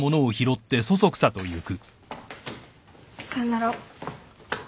・さよなら。